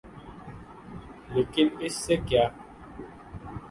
لیکن اس سے کیا؟